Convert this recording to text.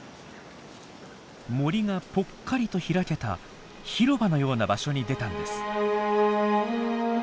森がぽっかりと開けた広場のような場所に出たんです。